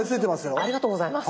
ありがとうございます。